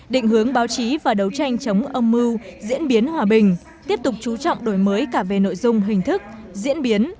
định hướng báo chí và đấu tranh chống âm mưu diễn biến hòa bình tiếp tục chú trọng đổi mới cả về nội dung hình thức diễn biến